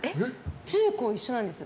中高一緒なんです。